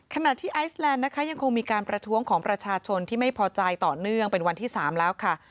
ขณะที่ไอซแลนด์นะคะยังคงมีการประท้วงของประชาชนที่ไม่พอใจต่อเนื่องเป็นวันที่๓แล้วค่ะ